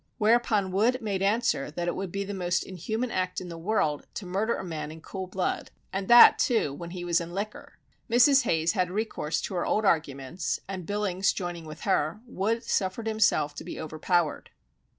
Whereupon Wood made answer that it would be the most inhuman act in the world to murder a man in cool blood, and that, too, when he was in liquor. Mrs. Hayes had recourse to her old arguments, and Billings joining with her, Wood suffered himself to be overpowered.